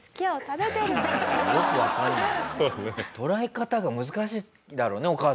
捉え方が難しいだろうねお母さんも。